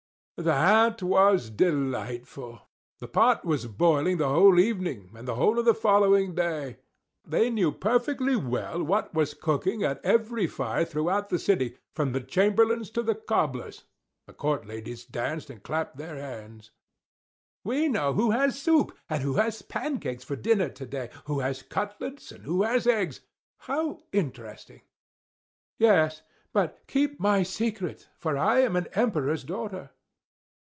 That was delightful! The pot was boiling the whole evening, and the whole of the following day. They knew perfectly well what was cooking at every fire throughout the city, from the chamberlain's to the cobbler's; the court ladies danced and clapped their hands. "We know who has soup, and who has pancakes for dinner to day, who has cutlets, and who has eggs. How interesting!" "Yes, but keep my secret, for I am an Emperor's daughter."